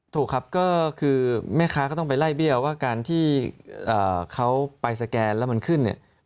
ถูกครับก็คือแม่ค้าก็ต้องไปไล่เบี้ยว่าการที่เขาไปสแกนแล้วมันขึ้นเนี่ย